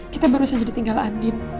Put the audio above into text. kita baru saja ditinggal andin